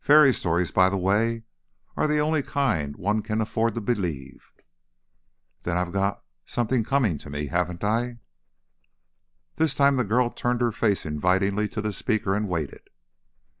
Fairy stories, by the way, are the only kind one can afford to believe." "Then I've got something coming to me, haven't I?" This time the girl turned her face invitingly to the speaker and waited.